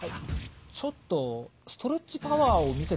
ちょっとストレッチパワーをみせてもらえますか？